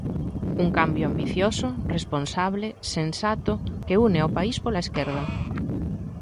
Un cambio ambicioso, responsable, sensato, que une ao País pola esquerda.